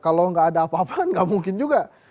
kalau enggak ada apa apa kan enggak mungkin juga